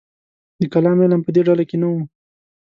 د کلام علم په دې ډله کې نه و.